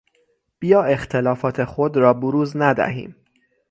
بیا اختلافات خود را بروز ندهیم.